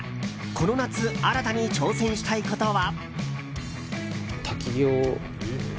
この夏新たに挑戦したいことは？